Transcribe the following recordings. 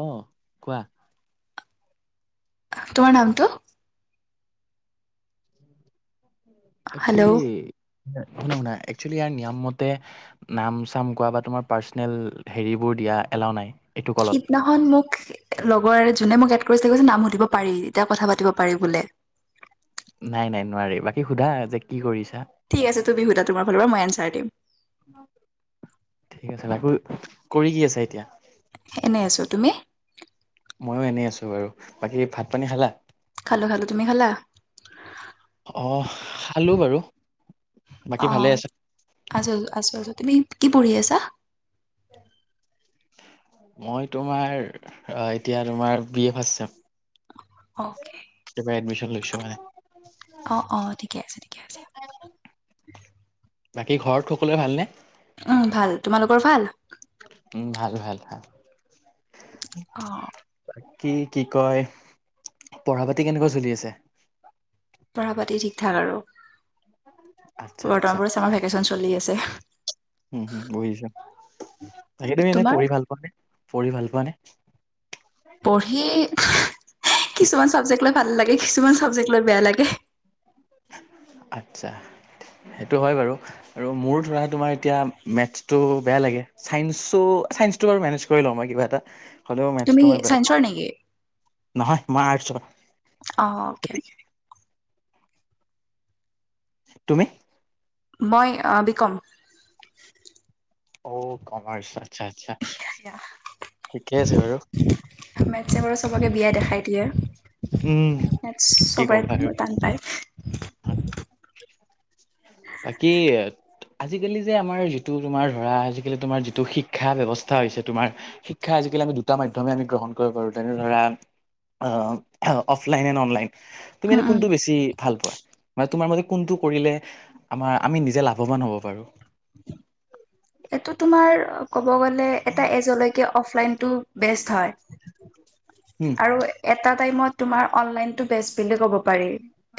অ, কোৱা? তোৰ নামটো? একচেলি, হেল্ল' শুনা - শুনা একচেলি ইয়াৰ নিয়মমতে নাম - চাম কোৱা বা তোমাৰ পাৰ্চনেল হেৰিবোৰ দিয়া এলাও নাই। এইটো কলত সিদিনাখন মোক লগৰ যোনে মোক এড কৰিছিলে কৈছে নাম সুধিব পাৰি এতিয়া কথা পাতিব পাৰি বোলে। নাই নাই নোৱাৰি, বাকী সোধা যে কি কৰিছা? ঠিক আছে তুমি সোধা তোমাৰ ফালৰ পৰা মই এনঞ্চাৰ দিম। ঠিক আছে তাকো কৰি কি আছে এতিয়া? হে এনেই আছোঁ, তুমি? ময়ো এনেই আছোঁ বাৰু, বাকী ভাত - পানী খালা? খালো - খালো, তুমি খালা? অহ খালো বাৰু, বাকী ভালে আছা? আজোল আছো আছো, তুমি কি পঢ়ি আছা? [inaudible] মই তোমাৰ আ এতিয়া তোমাৰ B A first sem. Okay, admission লৈছোঁ মানে অ অ, ঠিকে আছে ঠিকে আছে। বাকী ঘৰত সকলোৱে ভালনে? উম ভাল, তোমালোকৰ ভাল? উম, ভাল ভাল ভাল। অহ। বাকী কি কয়? পঢ়া - পাতি কেনেকুৱা চলি আছে? পঢ়া - পাতি ঠিক ঠাক আৰু আচ্ছা আচ্ছা বৰ্তমানত চামাৰ ভেকেচন চলি আছে। উম হুম পঢ়িছে। বাকী তুমি এনে তোমাৰ? পঢ়ি ভাল পোৱা নে পঢ়ি ভাল পোৱা নে? পঢ়ি, কিছুমান চাবজেক্ট লৈ ভাল লাগে কিছুমান চাবজেক্ট লৈ বেয়া লাগে। আচ্ছা, সেইটো হয় বাৰু। আৰু মোৰ ধৰা তোমাৰ এতিয়া মেথছটো বেয়া লাগে। ছাইনছো, ছাইন্সটো বাৰু মেনেজ কৰি লওঁ মই কিবা এটা। হ'লেও মেথছটো তুমি মই বেয়া পাওঁ ছাইন্সৰ নেকি? নহয়, মই আৰ্টছৰ। অঁ, অ'কে তুমি অ'কে। তুমি? মই আ বি কম। অ কমাৰ্চ, আচ্ছা আচ্ছা। [inaudible] ঠিকে আছে বাৰু। মেটচে বাৰু চবকে বিয়া দেখাই দিয়ে। উম মেটছ কি ক'বা আৰু চবৰে টান পায়। [unintelligible] বাকী আজিকালি যে আমাৰ যিটো তোমাৰ ধৰা আজিকালি তোমাৰ যিটো শিক্ষা ব্যৱস্থা হৈছে তোমাৰ শিক্ষা আজিকালি আমি দুটা মাধ্যমে আমি গ্ৰহণ কৰিব পাৰো, তেনে ধৰা অফলাইন এণ্ড অনলাইন। তুমি এনেই কোনটো বেছি ভাল পোৱা? মানে তোমাৰ মতে কোনটো কৰিলে আমাৰ আমি নিজে লাভৱান হ'ব পাৰোঁ? এইটো তোমাৰ ক'ব গ'লে এটা এজলৈকে অফলাইনতটো বেষ্ট হয়, উম আৰু এটা টাইমত তোমাৰ অনলাইনটো বেষ্ট বুলি ক'ব পাৰি,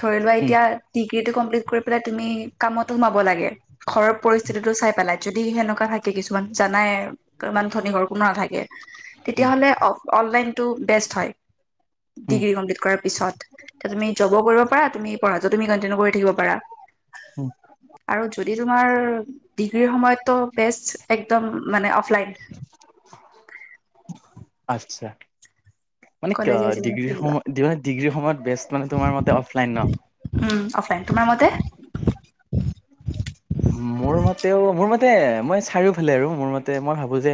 ধৰি লোৱা উম এতিয়া ডিগ্ৰীটো কমপ্লিট কৰি পেলাই তুমি কামতো সোমাব লাগে ঘৰৰ পৰিস্থিতিটো চাই পেলাই। যদি সেনেকুৱা থাকে কিছুমান জানাই ইমান ধনী ঘৰ কোনো নাথাকে, উম তেতিয়াহ'লে অ অনলাইনতটো বেষ্ট হয় উম ডিগ্ৰী কমপ্লিট কৰাৰ পিছত। তে তুমি জবো কৰিব পাৰা তুমি পঢ়াটো তুমি কণ্টিনিউ কৰি থাকিব পাৰা। উম আৰু যদি তোমাৰ ডিগ্ৰীৰ সময়ত তো বেষ্ট একদম মানে অফলাইন। আচ্ছা। মানে কলেজীয়া জীৱনত ডিগ্ৰীৰ ফিল লোৱা সময়ত ডিগ্ৰীৰ সময়ত বেষ্ট মানে তোমাৰ মতে অফলাইন ন'? উম, অফলাইন, তোমাৰ মতে? মোৰ মতেও মোৰ মতে মই চাৰিওফালে, আৰু মোৰ মতে মই ভাবো যে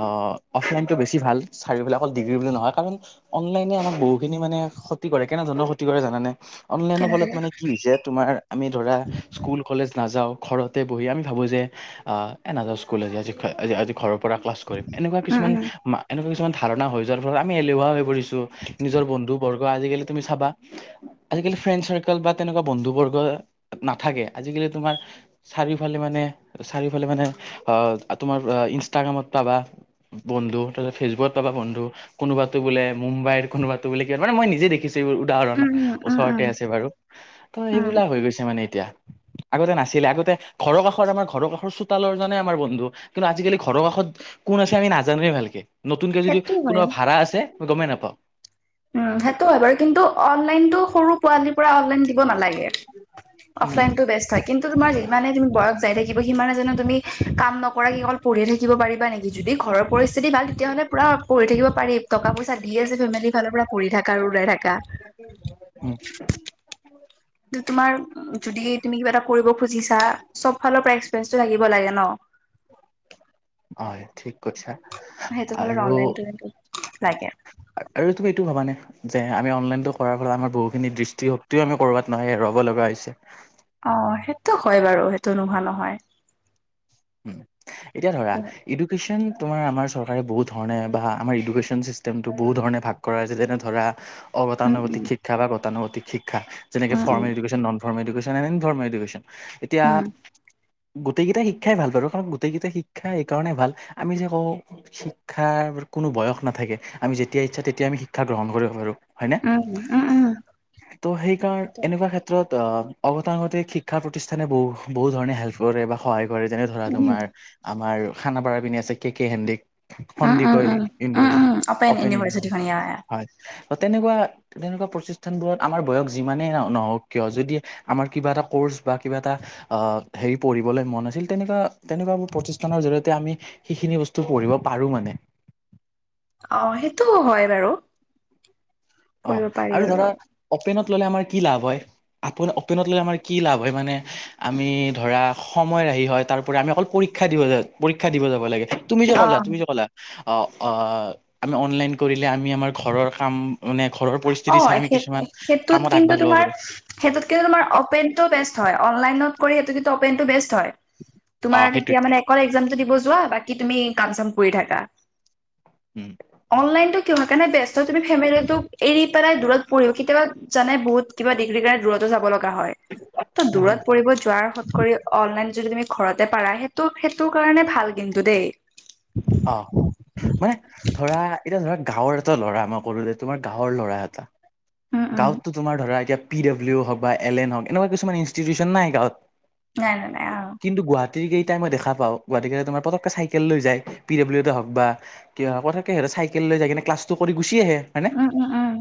অহ, অফলাইনটো বেছি ভাল, চাৰিওফালে অকল ডিগ্ৰী বুলি নহয়, কাৰণ অনলাইনে আমাক বহুখিনি মানে ক্ষতি কৰে, কেনেধৰণৰ ক্ষতি কৰে জানানে? অনলাইনৰ কেনেকুৱা ফলত মানে কি হৈছে তোমাৰ আমি ধৰা স্কুল কলেজ নাযাওঁ ঘৰতে বহি আমি ভাবোঁ যে, এ নাযাওঁ স্কুল আজি-আজি আজি-আজি ঘৰ পৰা ক্লাছ কৰিম, এনেকুৱা উম কিছুমান উম এনেকুৱা কিছুমান ধাৰণা হৈ যোৱাৰ ফলত আমি এলেুৱা হৈ পৰিছোঁ, নিজৰ বন্ধুবৰ্গ আজিকালি তুমি চাবা। আজিকালি ফ্ৰেণ্ড চাৰ্কেল বা তেনেকুৱা বন্ধু বৰ্গ নাথাকে, আজিকালি তোমাৰ চাৰিওফালে মানে চাৰিওফালে মানে তোমাৰ ইনষ্টাগ্ৰামত পাবা। বন্ধু তাৰপাছত ফেচবুকত পাবা বন্ধু। কোনোবাতো বোলে মুম্বাইৰ কোনোবাটো বোলে কি মান মই নিজে দেখিছো এইবোৰ উদাহৰণ উম উম উম উম ওচৰতে আছে বাৰু। ত' উম সেইবিলা হৈ গৈছে মানে এতিয়া, আগতে নাছিলে আগতে ঘৰৰ কাষত আম ঘৰৰ কাষৰ চোতালৰ জোনে আমাৰ বন্ধু কিন্তু, আজিকালি ঘৰৰ কাষত কোন আছে আমি নাজানোৱে ভালকে, নতুনকে যদি সেইটো হয় কোনোবা ভাড়া আছে আমি গমেই নাপাওঁ। উম, সেইটো হয়, বাৰু কিন্তু অনলাইনটো সৰু পোৱালীৰ পৰা অনলাইন দিব নালাগে, উম উম অনলাইনটো বেষ্ট হয়, কিন্তুো তোমাৰ যিমানে তুমি বয়স যাই থাকিব সিমানে জানো তুমি কাম নকৰাকে কি অকল পঢ়িয়ে থাকিব পাৰিবা নেকি? যদি ঘৰৰ পৰি যদি ভাল তেতিয়াহ'লে পুৰা পঢ়ি থাকিব পাৰি টকা পইচা দি আছে ফেমিলিৰ ফালৰ পৰা পঢ়ি থকা আৰু উৰাই থাকা। [unintelligible] হম। তুমাৰ যদি তুমি কিবা এটা কৰিব খুজিছা চব ফালৰ পৰা এক্সপিৰিয়েন্ঞ্চটো লাগিব লাগে ন'। হয় ঠিক কৈছা। সেইটো ফালে অনলাইনটো লাগে ভালকে আ আৰু তুমি এইটোও ভাবানে যে, আমি অনলাইনতো কৰাৰ পৰা আমাৰ বহুখিনি দৃষ্টিশক্তিও আমি কৰ'বাত নহয় হেৰুৱাব লগা হৈছে। অ সেইটো হয় বাৰু সেইটো নোহোৱা নহয়। উম এতিয়া ধৰা ইডুকেশ্যন তোমাৰ আমাৰ চৰকাৰে বহুত ধৰণে বা আমাৰ ইডুকেশ্বন ছিষ্টেমটো বহুত ধৰণে কৰে যেনে ধৰা উম অগতানুগতিক শিক্ষা বা গতানুগতিক শিক্ষা যেনেকে উম formal education formal education and formal education এতিয়া উম গোটেইকেইটাই শিক্ষাই ভাল বাৰু কাৰণ গোটেইকেইটা শিক্ষা এই কাৰণে ভাল আমি যে কওঁ শিক্ষাৰ কোনো বয়স নাথাকে আমি যেতিয়া ইচ্ছা তেতিয়া আমি শিক্ষা গ্ৰহণ কৰিব পাৰোঁ হয়নে? উম উম উম ত' সেইকাৰণ এনেকুৱা ক্ষেত্ৰত অ অগতানুগতিক শিক্ষা প্ৰতিষ্ঠানে বহু বহু ধৰণে হেল্প কৰে বা সহায় কৰে যেনে ধৰা তোমাৰ আমাৰ খানাপাৰাৰ পিনে আছে K K Handique. Um Sandikoi um um university um open university ইউনিভাৰ্চিটিখন ইয়াৰ হয় তেনেকুৱা তেনেকুৱা প্ৰতিষ্ঠানবোৰত আমাৰ বয়স যিমানেই ন নহওক কিয় যদি আমাৰ কিবা এটা কৰ্চ বা কিবা এটা আ হেৰি পঢ়িবলৈ মন তেনেকুৱা তেনেকুৱাবোৰ প্ৰতিষ্ঠানৰ জৰিয়তে আমি সেইখিনি বস্তু পঢ়িব পাৰো মানে অ সেইটোও হয় বাৰু। অ কৰিব পাৰি আৰু ধৰা অপেনত ললে আমাৰ কি লাভ হয় আপোন অ'পেনত ল'লে আমাৰ কি লাভ হয় মানে আমি ধৰা সময় ৰাহি হয় তাৰপৰা আমি অকল পৰীক্ষা দিব যা পৰীক্ষা দিব যাব লাগে তুমি যে অ কলা তুমি যে কলা। অ আ আমি অনলাইন কৰিলে আমি আমাৰ ঘৰৰ কাম মানে ঘৰৰ অ পৰিস্থিতি চাই আমি কিছুমান কামত আগভাগ ল'ব পাৰো। সেটোতকেও তোমাৰ অপেনটো বেষ্ট হয়, অনলাইনত কৰি সেইটো যিটো অপেনটো বেষ্ট হয়। অ তোমাৰ সেইটোৱে তেতিয়া মানে অকল একজামটো দিব যোৱা বাকি তুমি কাম চাম কৰি থাকা। উম অনলাইনটো কিহৰ কাৰণে বেষ্ট হয় তুমি ফেমেলিটোক এৰি পেলাই দূৰত পঢ়িব কেতিয়াবা জানে বহুত কিবা ডিগ্ৰী কাৰনে দূৰতো যাব লগ এনেকোৱা হয় ত দূৰত পঢ়িব যোৱাত কৰি অনলাইন যদি তুমি ঘৰতে পাৰা সেইটো সেইটো কাৰণে ভাল কিন্তু দেই অ মানে ধৰা এতিয়া ধৰা গাঁৱৰ এটা ল'ৰা মই কলো যে তোমাৰ গাঁৱৰ ল'ৰা এটা। উম উম গাঁৱতটো তোমাৰ ধৰা এতিয়া পি ডাব্লউ হওক বা এল এন হওক এনেকুৱা কিছুমান ইনষ্টিটিউচন নাই গাঁৱত। নাই নাই আও। কিন্তু গুৱাহাটীৰ কেইটাক মই দেখা পাওঁ গুৱাহাটীৰ কেইটা তোমাৰ পতকে চাইকেল লৈ যায়। পি ডব্লিউতে হওক বা কিবা পতকে সিহঁতে চাইকেল লৈ যাই কেনে ক্লাছটো কৰি গুচি আহে। হয়নে উম উম উম।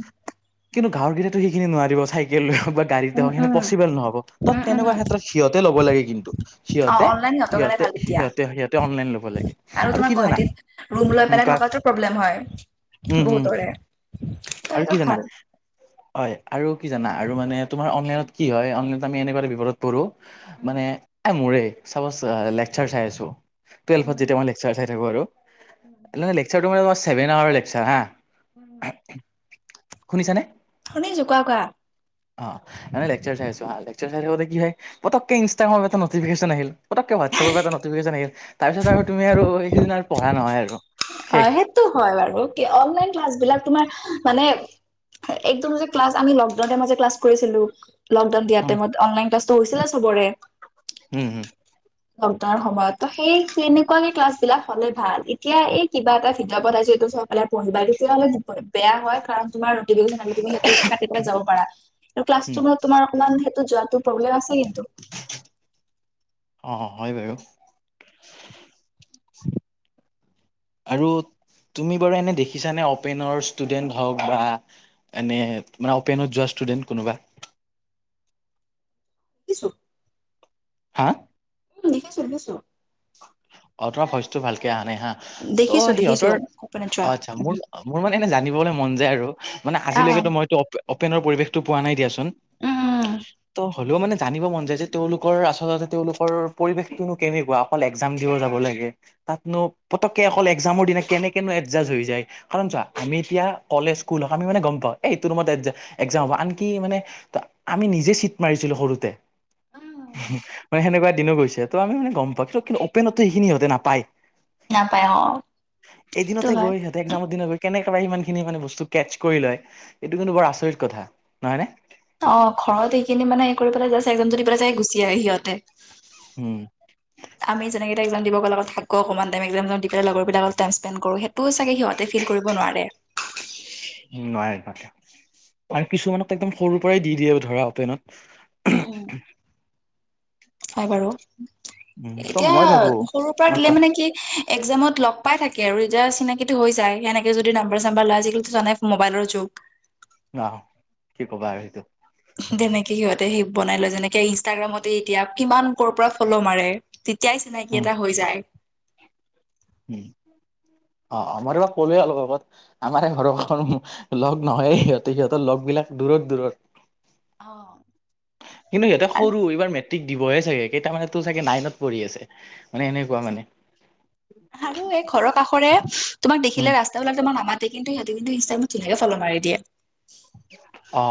কিন্তু গাওঁৰ কেইটাইটো সেইখিনি নোৱাৰিব চাইকেল লৈ হওক বাত গাড়ীতে উম উম হওক সেনেকোৱা উম পচিবল নহব উম ত-তেনেকুৱা উম ক্ষেত্ৰত সিহঁতে ল'ব লাগে কিন্তু অ সিহঁতে অনলাইন সিহঁতৰ কাৰণে সিহঁতে ভাল এতিয়া সিহঁতে সিহঁতে অনলাইন ল'ব লাগে। আৰু আৰু তোমাৰ কি জানা গুৱাহাটীত ৰুম লৈ পেলাই থকাটো প্ৰব্লেম হয়। উম উম বহুতৰে আৰু কি সেতৰ জানা ভাল। হয় আৰু কি জানা আৰু মানে তোমাৰ অনলাইনত কি হয় অনলাইনত আমি এনেকোৱা এটা বিপদত পৰোঁ আ আ আ, মানে আ মোৰেই। চাপচ লেকচাৰ চাই আছো। টোৱেলভত যেতিয়া মই ছাৰ, চাই থাকিব আৰু। লে লে লেকচাৰটো মানে তোমাৰ ছেভেন আৱাৰৰ লেকচাৰ হাঁ এহ্ এহ। উ টো শুনিছানে? শুনিছো। কোৱা, কোৱা। অঁ। আহ মানে লেকচাৰ চাই আছো হাঁ। লেকচাৰ চাই থাকোঁতে কি হয় হে পতকে ইনষ্টাগ্ৰামৰ পৰা এটা নটিফিকেচন আহিল, পতকে হোৱাটছএপৰ পৰা এটা নটিফিকেচন আহিল। ইহ আহ তাৰপিছত আৰু তো তুমি আৰু সেইকেইদিন আৰু পঢ়া নহয় আৰু অ, শেষ। সেইটো হয় বাৰু কি অনলাইন ক্লাছ বিলাক তোমাৰ আহ্ আহ্ মানে একদম যে ক্লাছ আমি লকডাউনৰ মাজে ক্লাছ কৰিছিলো। লকডাউন দিয়াৰ উম, টাইমত অনলাইন ক্লাছটো হৈছিলা চবৰে। উম হুম। লকডাউনৰ সময়ত ত সেই কেনেকুৱাকে ক্লাছ বিলাক হ'লে ভাল এতিয়া এই কিবা এটা ভিডিঅ' পঠাইছো এইটো চব ভালেই আৰু পঢ়িবা তেতিয়াহ'লে ব বে বেয়া হয় কাৰণ তোমাৰ টেলিভিছন আৰু তুমি সেইটোত কাটি ওলাই যাব পাৰা আৰু ক্লাছ হুম, তোমাৰ তোমাৰ অকমান সেইটো যোৱাটো প্ৰব্লেম আছে কিন্তু ঠিট ঠিট, অঁ অ। হয় বাৰু। সি ই ই চু। [unintelligible] আৰু তুমি বাৰু এনে দেখিছানে? অপেনৰ ষ্টুডেণ্ট হওক বা এনেই তোমাৰ অ'পেনত যোৱা ষ্টুডেণ্ট কোনোবা। কিছু হা। লিখিছো দিছো। অ তোমাৰ ভইচটো ভালকে আহা নাই হা। ত' দেখিছো দেখিছো। সিহঁতৰ সপোনত যোৱা। আচ্ছা, মোৰ মোৰ মানে এনে জানিবলৈ মন যায় আৰু আহ মানে অ আজিলৈকেতো মইতো অফ অপেনৰ পৰিৱেশটো পোৱা নাই দিয়াচোন ঠ উম ই ত হ'লেও মানে জানিব মন যায় যে তেওঁলোকৰ আচলতে তেওঁলোকৰ পৰিৱেশটোনো কেনেকুৱা। অকল এক্সাম দিব যাব লাগে তাতনো পতককে অকল এক্সামৰ দিনা কেনে কেনো এডজাষ্ট হৈ যায়। কাৰণ চোৱা আমি এতিয়া কলেজ স্কুল হওক আমি মানে গম পাওঁ এ এইটো ৰুমত একজা এক্সাম হব আনকি মানে ত আমি নিজে চিট মাৰিছিলো সৰুতে। উম উমহু, সেনেকুৱা দিনো গৈছে ত আমি মানে গম পাওঁ সেইটো। কিন্তু অপেনতো সিখিনি সিহঁতে নাপায় সি নাপায় অ ই ই সেইটো এদিনতে হয় গৈ সিহঁতে তে এক্সামৰ দিনত গৈ কেনেকে সিমান খিনি মানে বস্তু কেচ কৰি লয় ইহ আহ এইটো কিন্তু বৰ আচৰিত কথা নহয় নে। অ অ অ, ঘৰত এইখিনি মানে এই কৰিব পেলাই যায় চাগে এক্সাম যদি পেলাই যায় গুচি আহে সিহঁতে। টুও উম উ উ। [inaudible] আমি যেনেকেই এটা এক্সাম দিব লগত থাকো অকমান টাইম এক্সাম দি পেলাই লগৰ বিলাকৰ লগত টাইম স্পেণ্ট কৰো সেইটোও চাগে সিহঁত তে ফিল কৰিব নোৱাৰে। ই সি ই ই ই উম নোৱাৰে বাতে। আৰু কিছুমানক একদম সৰুৰ পৰাই দি দিয়ে ধৰা অপেনত ই ই আহ আহ। হয় বাৰু, উম ত এতিয়া মই ভাবো সৰুৰ পৰা অ দিলে কোৱা মানে কি এ হে হে। এক্সামত লগ পাই থাকে আৰু ৰিজাল চিনাকিটো হৈ যায় সেনেকে যদি নাম্বাৰ-চাম্বাৰ লোৱা আজিকালিতো জানাই মোবাইলৰ যুগ। ন আ অ কি ক'বা আৰু সেইটো। উমহু, তেনেকে সিহঁতে সেই বনাই লয় যেনেকে ইনষ্টাগ্ৰামতে এতিয়া কিমান কৰ পৰা ফ'ল' মাৰে। তেতিয়াই চিনাকি উম এটা হৈ যায়। উম, অ অ মই তোমাক কলোৱে অলপ আগত। আমাৰে ঘৰখন লগ নহয় সিহঁতে সিহঁতৰ লগবিলাক দূৰত দূৰত। অ। কিন্তু সিহঁতে সৰু এইবাৰ মেট্ৰিক দিবহে চাগে কেইটা মানে চাগে নাইনত পঢ়ি আছে। মানে এনেকুৱা মানে। আৰু এই ঘৰৰ কাষৰে তোমাক উম দেখিলে ৰাস্তাবিলাক তোমাৰ মামাত কিন্তু ইহঁতে কিন্তু ইনষ্টাগ্ৰামত তেনেকে ফল মাৰি দিয়ে। অ।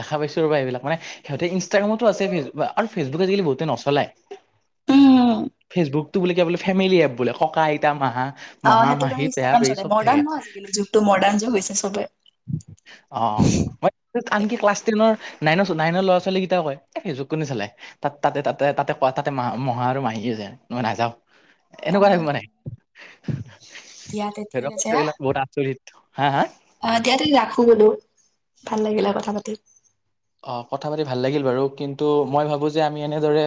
দেখা পাইছো ৰবা এইবিলাক মানে সিহঁতি ইনষ্টাগ্ৰামতো আছে কিছ বা আৰু ফেচবুকে আজিকালি বহুতে নচলায়। উম ফেচবুকতো বুলে কিবা বোলে ফেমিলি এপ বোলে ককা-আইতা, মাহা। অ সেইটো মহা-মাহী, কাৰণে পেহা-পহী চব থাকে। আজিও গৈছে চবে। অ। আনকি ক্লাছ টেনৰ নাইন নাইনৰ ল'ৰা-ছোৱালী কেইটাও কয় এই ফেচবুক কোনে চলায়। তাত তাতে তাতে তাতে কৱা তাতে মহা আৰু মাহীযে যায় মই নাযাওঁ। অ এনেকুৱা হে মানে দিয়াতে ঠিক সেদক আছে সেবিলাক বহুত আচৰিত। হা হা? অ দিয়া দে ৰাখো বোলো ভাল লাগিলে কথা পাতি। অ কথা পাতি ভাল লাগিল বাৰু কিন্তু মই ভাবো যে আমি এনেদৰে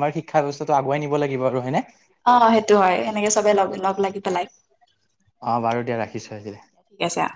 আমাৰ শিক্ষা ব্যৱস্থাটো আগুৱাই নিব লাগিব আৰু হয়েনে? অ সেইটো হয় সেনেকে চবে লগ লগ লাগি পেলাই। অ বাৰু দিয়া ৰাখিছো আজিলে এই চেয়া।